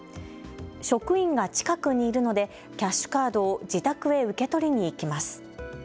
職員が近くにいるのでキャッシュカードを自宅へ受け取りに行きます。